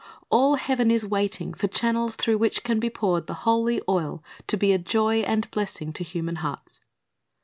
All heaven is waiting for channels through which can be poured the holy oil to be a joy and blessing to human hearts.